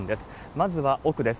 まずは奥です。